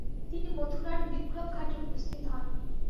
তিনি মথুরার বিক্রমঘাটে উপস্থিত হন।